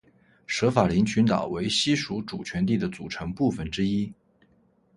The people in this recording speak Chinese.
舍法林群岛为西属主权地的组成部分之一。